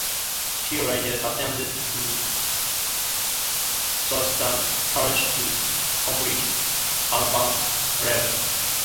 He later attended to Thurstan College to complete Advanced Level.